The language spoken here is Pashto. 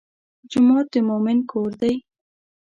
جومات د مؤمن کور دی.